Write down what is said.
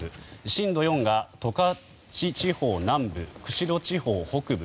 震度４が十勝地方南部釧路地方北部